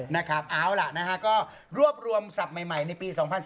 นะครับเอาล่ะนะฮะก็รวบรวมศัพท์ใหม่ในปี๒๐๑๙